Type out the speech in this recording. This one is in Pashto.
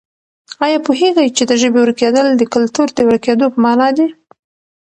آیا پوهېږې چې د ژبې ورکېدل د کلتور د ورکېدو په مانا دي؟